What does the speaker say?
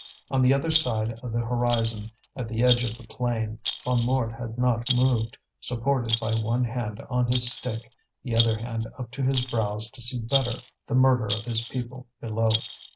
On the other side of the horizon, at the edge of the plain, Bonnemort had not moved, supported by one hand on his stick, the other hand up to his brows to see better the murder of his people below.